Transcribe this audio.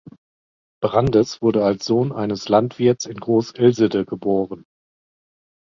Brandes wurde als Sohn eines Landwirts in Groß Ilsede geboren.